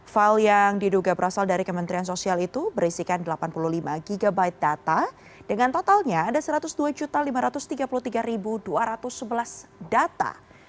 file yang diduga berasal dari kementerian sosial itu berisikan delapan puluh lima gb data dengan totalnya ada satu ratus dua lima ratus tiga puluh tiga dua ratus sebelas data